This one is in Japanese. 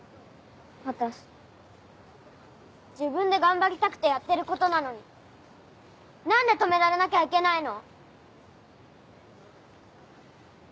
私自分で頑張りたくてやってることなのに何で止められなきゃいけないの！